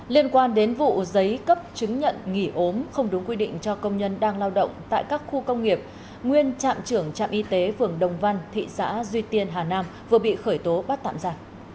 liên quan đến vụ giấy cấp chứng nhận nghỉ ốm không đúng quy định cho công nhân đang lao động tại các khu công nghiệp nguyên trạm trưởng trạm y tế phường đồng văn thị xã duy tiên hà nam vừa bị khởi tố bắt tạm giả